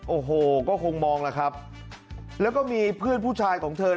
โอ้โหก็คงมองล่ะครับแล้วก็มีเพื่อนผู้ชายของเธอ